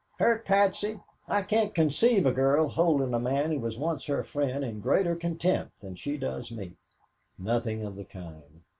"Hurt Patsy! I can't conceive a girl holding a man who was once her friend in greater contempt than she does me." "Nothing of the kind.